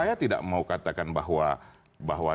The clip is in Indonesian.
saya tidak mau katakan bahwa